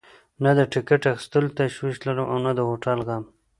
نه د ټکټ اخیستلو تشویش لرم او نه د هوټل غم.